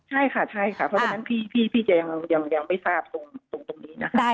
ใช่ค่ะใช่ค่ะเพราะฉะนั้นพี่จะยังไม่ทราบตรงนี้นะคะ